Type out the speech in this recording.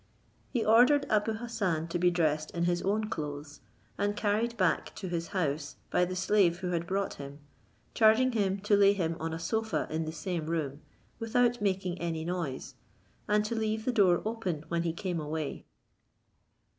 He ordered Abou Hassan to be dressed in his own clothes, and carried back to his house by the slave who had brought him, charging him to lay him on a sofa in the same room, without making any noise, and to leave the door open when he came away.